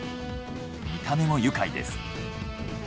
見た目も愉快です。